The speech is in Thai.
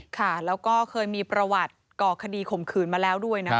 ค่ะแล้วก็เคยมีประวัติก่อคดีข่มขืนมาแล้ว